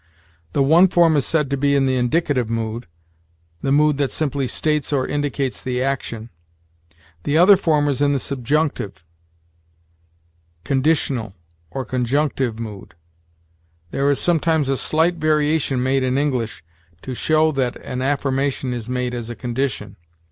The one form is said to be in the indicative mood, the mood that simply states or indicates the action; the other form is in the subjunctive, conditional, or conjunctive mood. There is sometimes a slight variation made in English, to show that an affirmation is made as a condition.